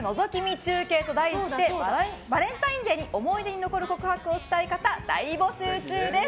中継と題してバレンタインデーに思い出に残る告白をしたい方を大募集中です。